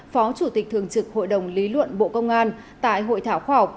phó chủ tịch thường trực hội đồng lý luận bộ công an tại hội thảo khoa học